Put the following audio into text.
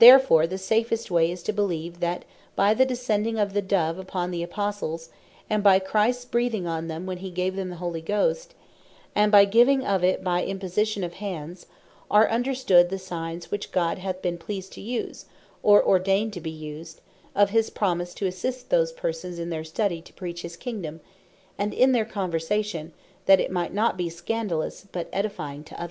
Therefore the safest way is to beleeve, that by the Descending of the Dove upon the Apostles; and by Christs Breathing on them, when hee gave them the Holy Ghost; and by the giving of it by Imposition of Hands, are understood the signes which God hath been pleased to use, or ordain to be used, of his promise to assist those persons in their study to Preach his Kingdome, and in their Conversation, that it might not be Scandalous, but Edifying to others.